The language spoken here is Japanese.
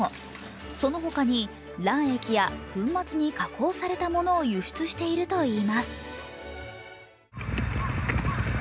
そのほかに卵液や粉末に加工されたものを輸出しているといいます。